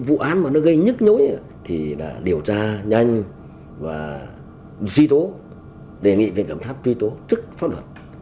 vụ an mà nó gây nhức nhối thì điều tra nhanh và suy tố đề nghị về cẩm pháp suy tố trước pháp luật